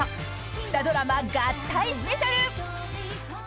［二ドラマ合体スペシャル］